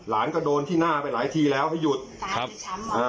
หลานก็โดนที่หน้าไปหลายทีแล้วให้หยุดครับอ่า